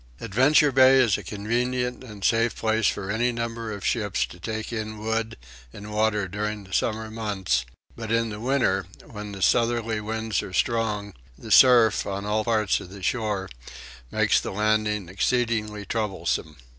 Adventure Bay is a convenient and safe place for any number of ships to take in wood and water during the summer months: but in the winter, when the southerly winds are strong, the surf, on all parts of the shore, makes the landing exceedingly troublesome.